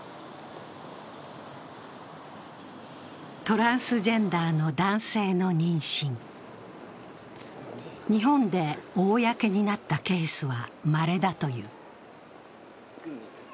トランスジェンダーの男性の妊娠、日本で公になったケースは、まれだという。